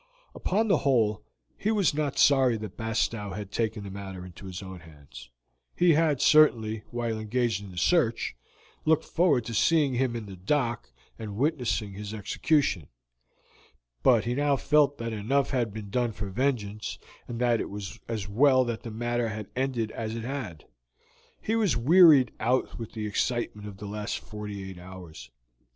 Upon the whole, he was not sorry that Bastow had taken the matter into his own hands; he had, certainly, while engaged in the search, looked forward to seeing him in the dock and witnessing his execution, but he now felt that enough had been done for vengeance, and that it was as well that the matter had ended as it had. He was wearied out with the excitement of the last forty eight hours.